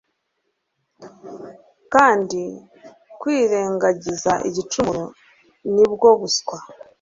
kandi kwirengagiza igicumuro ni bwo buswa